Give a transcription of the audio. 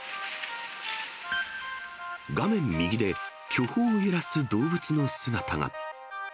画面右で、巨峰を揺らす動物の姿が。